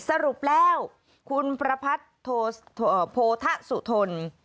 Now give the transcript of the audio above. สรุปแล้วคุณประพัทธ์โพธสุทน